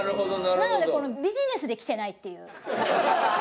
なのでビジネスで来てないっていう。